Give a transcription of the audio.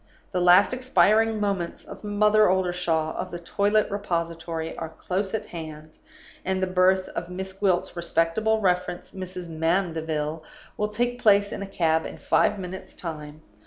The last expiring moments of Mother Oldershaw, of the Toilet Repository, are close at hand, and the birth of Miss Gwilt's respectable reference, Mrs. Mandeville, will take place in a cab in five minutes' time.